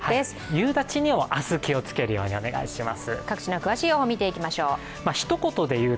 夕立にも、明日、気をつけるようにお願いします。